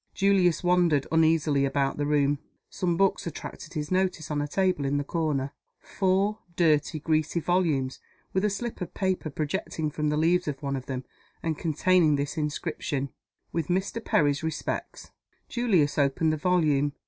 Julius wandered uneasily about the room. Some books attracted his notice on a table in the corner four dirty, greasy volumes, with a slip of paper projecting from the leaves of one of them, and containing this inscription, "With Mr. Perry's respects." Julius opened the volume.